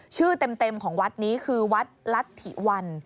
ชื่อเต็มของวัดนี้คือวัดรัฐถิวัน